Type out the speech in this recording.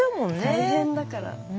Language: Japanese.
大変だから。